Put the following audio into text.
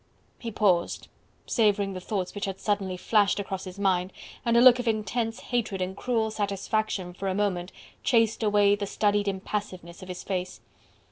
He paused, savouring the thoughts which had suddenly flashed across his mind, and a look of intense hatred and cruel satisfaction for a moment chased away the studied impassiveness of his face.